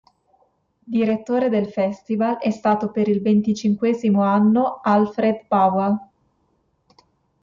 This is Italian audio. Direttore del festival è stato per il venticinquesimo anno Alfred Bauer.